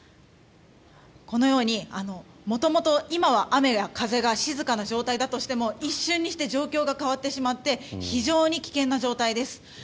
このように元々、今は雨や風が静かな状態だとしても一瞬にして状況が変わってしまって非常に危険な状態です。